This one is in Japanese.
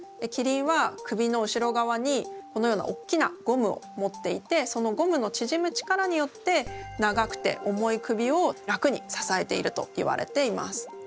キリンは首の後ろ側にこのようなおっきなゴムを持っていてそのゴムのちぢむ力によって長くて重い首を楽にささえているといわれています。